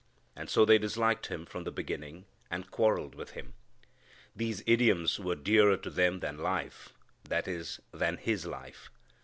And so they disliked Him from the beginning, and quarrelled with Him. These idioms were dearer to them than life that is, than His life.